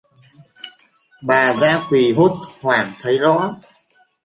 Bà dã quỳ hốt hoảng thấy rõ